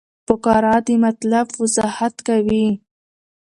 فقره د مطلب وضاحت کوي.